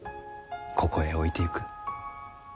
ここへ置いてゆく。